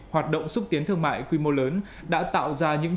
hoạt động xúc tiến thương mại quy mô lớn đã tạo ra những